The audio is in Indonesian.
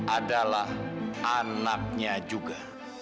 adalah anaknya juga